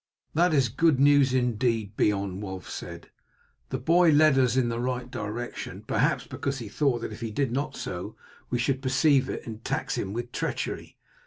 "That is good news indeed, Beorn," Wulf said. "The boy led us in the right direction, perhaps because he thought that if he did not do so we should perceive it and tax him with treachery.